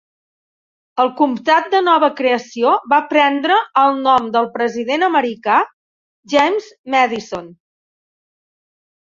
El comtat de nova creació va prendre el nom del president americà James Madison.